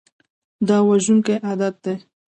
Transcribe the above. دا وژونکی عادت دی.